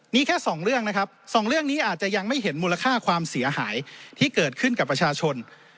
นี่แค่สองเรื่องนะครับสองเรื่องนี้อาจจะยังไม่เห็นมูลค่าความเสียหายที่เกิดขึ้นกับประชาชน